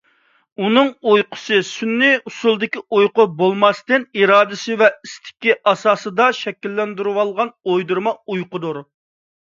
ئۇنىڭ ئۇيقۇسى سۈنئىي ئۇسۇلدىكى ئۇيقۇ بولماستىن، ئىرادىسى ۋە ئىستىكى ئاساسىدا شەكىللەندۈرۈۋالغان ئويدۇرما ئۇيقىدۇر.